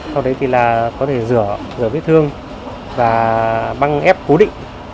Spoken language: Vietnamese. sau đấy thì là có thể rửa vết thương và băng ép cố định